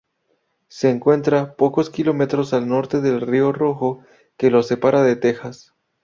Se encuentra pocos kilómetros al norte del río Rojo que lo separa de Texas.